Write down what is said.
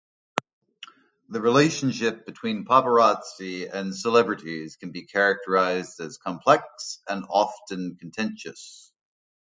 The relationship between paparazzi and celebrities can be characterized as complex and often contentious.